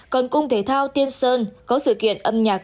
còn cung thể thao tiên sơn có sự kiện âm nhạc